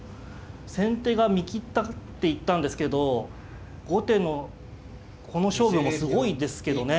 先手が見切ったって言ったんですけど後手のこの勝負もすごいですけどね。